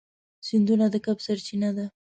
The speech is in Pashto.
سیندونه د کب سرچینه ده.